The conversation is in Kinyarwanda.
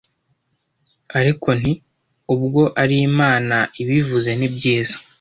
ariko nti ubwo ari Imana ibivuze ni byiza.